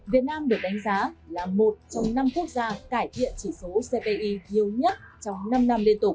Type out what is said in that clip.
việt nam được đánh giá là một trong năm quốc gia cải thiện chỉ số cpi nhiều nhất trong năm năm liên tục